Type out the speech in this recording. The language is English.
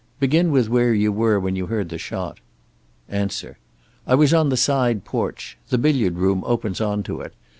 Begin with where you were when you heard the shot." A. "I was on the side porch. The billiard room opens on to it.